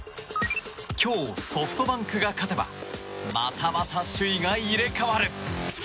今日、ソフトバンクが勝てばまたまた首位が入れ替わる。